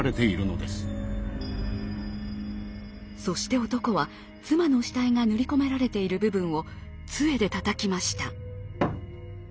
そして男は妻の死体が塗り込められている部分をつえでたたきました。